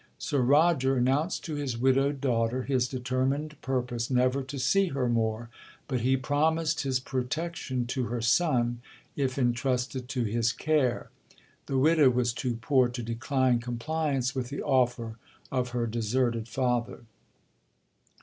Sir Roger announced to his widowed daughter, his determined purpose never to see her more, but he promised his protection to her son, if entrusted to his care. The widow was too poor to decline compliance with the offer of her deserted father.